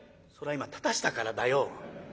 「それは今立たしたからだよ」。